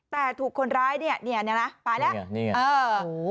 แต่ถูกคนร้ายเนี่ยเนี่ยนะไปแล้ว